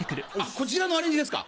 こちらのアレンジですか？